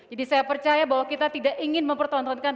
jadi saya percaya bahwa kita tidak ingin mempertontonkan